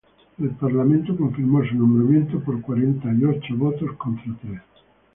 El parlamento confirmó su nombramiento por cuarenta y ocho votos contra tres.